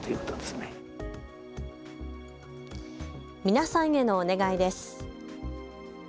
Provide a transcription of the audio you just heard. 皆さんへのお願いです。